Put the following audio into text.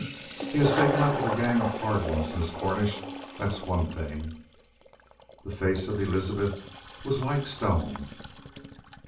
"He's taken up with a gang of hard ones, Miss Cornish. That's one thing." The face of Elizabeth was like stone.